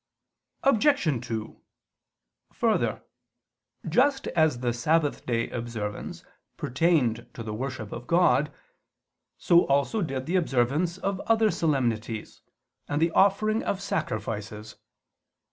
Obj. 2: Further, just as the Sabbath day observance pertained to the worship of God, so also did the observance of other solemnities, and the offering of sacrifices.